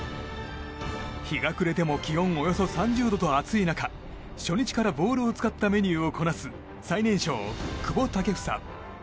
日が暮れても気温およそ３０度と熱い中初日からボールをつかったメニューを使う最年少、久保建英。